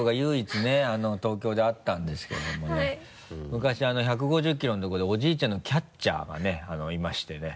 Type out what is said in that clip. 昔あの１５０ｋｍのところでおじいちゃんのキャッチャーがねいましてね。